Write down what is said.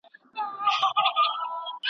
هر بدلون ته پام وکړئ.